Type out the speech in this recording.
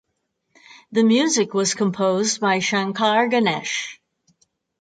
The music was composed by Shankar–Ganesh.